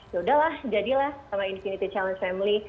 yaudah lah jadilah sama infinity challenge family